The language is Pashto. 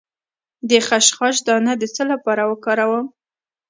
د خشخاش دانه د څه لپاره وکاروم؟